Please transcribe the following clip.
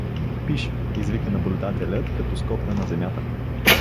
— Пиш! — извика наблюдателят, като скокна на земята.